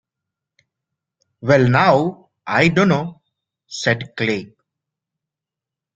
“Well now, I dunno,” said Clay.